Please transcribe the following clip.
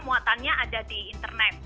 muatannya ada di internet